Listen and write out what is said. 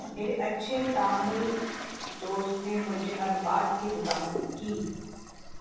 میرے اچھے تامل دوست نے مجھے ہر بات کی وضاحت کی